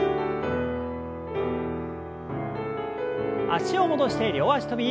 脚を戻して両脚跳び。